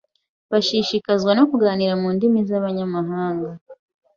Bashishikazwa no kuganira mu ndimi z’abanyamahanga